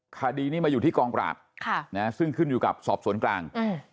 คดีนี้มาอยู่ที่กองปราบซึ่งขึ้นอยู่กับสอบสวนกลาง